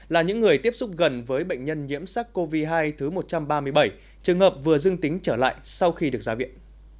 là những người tiếp xúc gần với bệnh nhân nhiễm sắc covid một mươi chín thứ một trăm ba mươi bảy trường hợp vừa dưng tính trở lại sau khi được ra viện